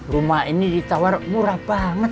rumah ini ditawar murah banget